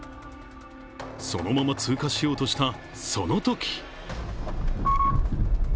そのまま通過しようとした、そのとき。